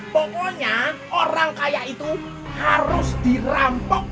pokoknya orang kaya itu harus dirampok